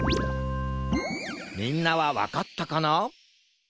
みんなはわかったかな？